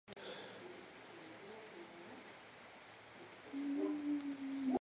Edu nunca faltaba a su cita, todo lo que quería era aprender.